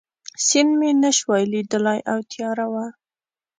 سیند مې نه شوای لیدای او تیاره وه.